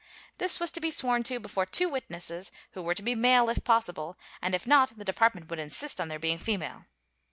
This was to be sworn to before two witnesses, who were to be male, if possible, and if not, the department would insist on their being female.